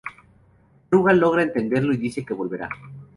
Rugal logra entenderlo y dice que volverá.